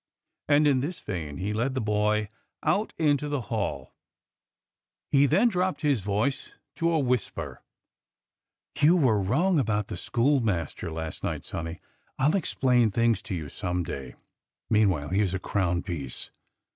And in this vein he led the boy out into the 100 DOCTOR SYN hall. He then dropped his voice to a whisper: "You were wrong about the schoolmaster last night, sonny. I'll explain things to you some day. Meanwhile, here's a crown piece.